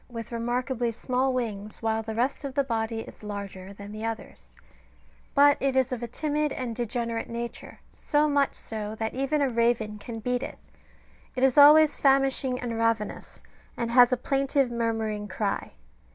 483 witli remarkably small wings, while the rest of the body is larger than the others ; but it is of a timid and degenerate nature, so much so, that even a raven can beat it. It is always famishing and ravenous, and has a plaintive murmuring cry.